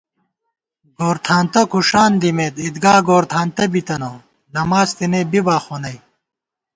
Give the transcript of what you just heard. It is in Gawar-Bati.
گورتھانتہ کھُݭان دِمېت عیدگا گورتھانتہ بِتنہ نماڅ تېنے بِبا خو نئ